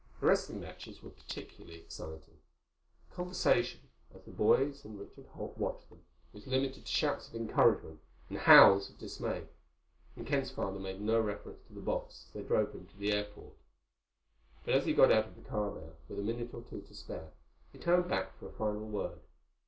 The wrestling matches were particularly exciting. Conversation, as the boys and Richard Holt watched them, was limited to shouts of encouragement and howls of dismay. And Ken's father made no reference to the box as they drove him out to the airport. But as he got out of the car there, with a minute or two to spare, he turned back for a final word.